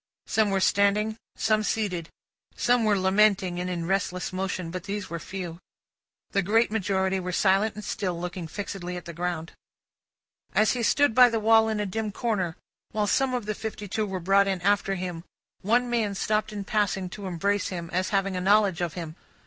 Some were standing; some seated. Some were lamenting, and in restless motion; but, these were few. The great majority were silent and still, looking fixedly at the ground. As he stood by the wall in a dim corner, while some of the fifty two were brought in after him, one man stopped in passing, to embrace him, as having a knowledge of him.